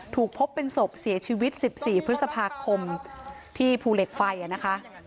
ถูกพบเป็นศพเสียชีวิต๑๔พฤษภาคมที่ภูเหล็กไฟนะคะ